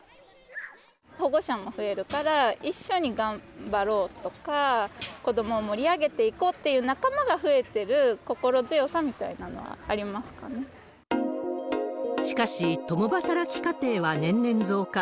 保護者も増えるから一緒に頑張ろうとか、子どもを盛り上げていこうという仲間が増えてる心強さみたいなのしかし、共働き家庭は年々増加。